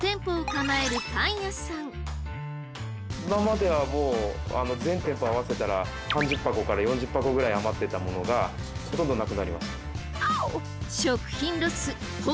今までは全店舗合わせたら３０箱から４０箱ぐらい余ってたものがほとんどなくなりました。